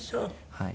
はい。